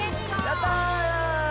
やった！